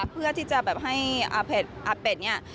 เพื่อที่จะให้อาเบ็ดนี่